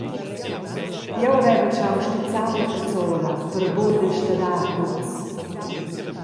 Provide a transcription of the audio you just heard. Jeu havevel schau stizzau la cazzola per buca destadar tuts.